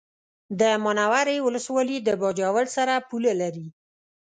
د منورې ولسوالي د باجوړ سره پوله لري